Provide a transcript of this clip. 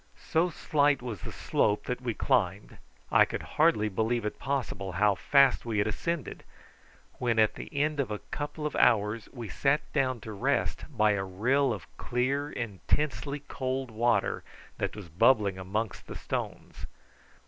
So slight was the slope that we climbed I could hardly believe it possible how fast we had ascended, when at the end of a couple of hours we sat down to rest by a rill of clear intensely cold water that was bubbling amongst the stones.